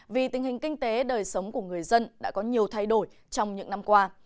vì tình hình kinh tế đời sống của người dân đã có nhiều thay đổi trong những năm qua